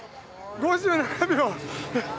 ５７秒！